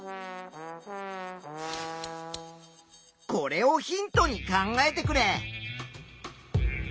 これをヒントに考えてくれ。